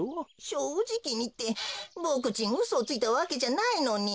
「しょうじきに」ってボクちんうそをついたわけじゃないのに。